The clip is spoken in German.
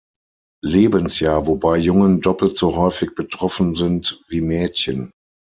Lebensjahr, wobei Jungen doppelt so häufig betroffen sind wie Mädchen.